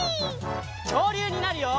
きょうりゅうになるよ！